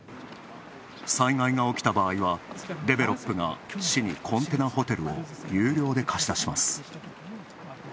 災害が起きた場合は、デベロップが市にコンテナホテルを有料で貸し出します。